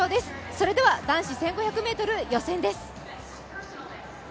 それでは男子１５００ｍ予選です。